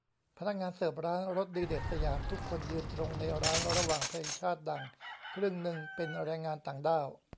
พนักงานเสิร์ฟร้านรสดีเด็ด สยาม ทุกคนยืนตรง ในร้าน ระหว่างเพลงชาติดัง ครึ่งนึงเป็นแรงงานต่างด้าว